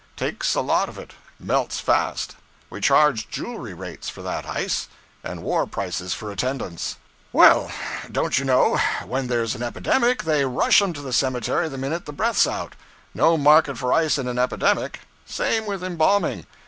Takes a lot of it melts fast. We charge jewelry rates for that ice, and war prices for attendance. Well, don't you know, when there's an epidemic, they rush 'em to the cemetery the minute the breath's out. No market for ice in an epidemic. Same with Embamming.